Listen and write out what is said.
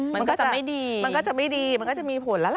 มันก็จะไม่ดีมันก็จะไม่ดีมันก็จะมีผลแล้วล่ะ